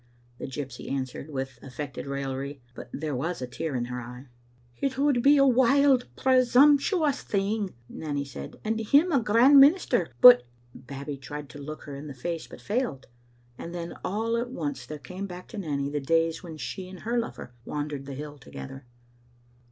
the gypsy answered, with affected raillery, but there was a tear in her eye. "It would be a wild, presumptions thing," Nanny said, " and him a grand minister, but " Babbie tried to look her in the face, but failed, and then all at once there came back to Nanny the days when she and her lover wandered the hill together.